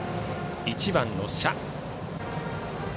１番の謝。